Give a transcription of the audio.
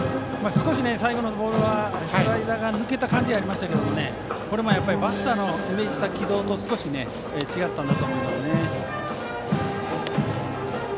少し最後のボールはスライダーが抜けた感じがありましたがバッターのイメージした軌道と少し違ったんだと思いますね。